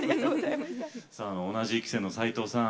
同じ１期生の齋藤さん